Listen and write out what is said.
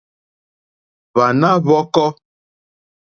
Hwàná ǃhwɔ́kɔ́.